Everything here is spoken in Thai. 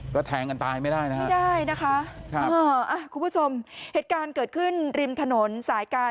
ก็แทงกันตายไม่ได้นะไม่ได้นะคะครับคุณผู้ชมเหตุการณ์เกิดขึ้นริมถนนสายการ